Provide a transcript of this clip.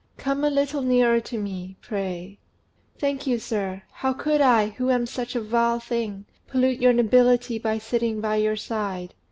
Come a little nearer to me, pray." "Thank you, sir. How could I, who am such a vile thing, pollute your nobility by sitting by your side?"